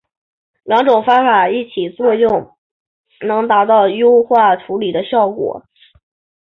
两种方法一起作用能达到优化处理的效果。